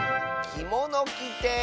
「きものきて」